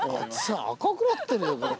赤くなってるよこれ。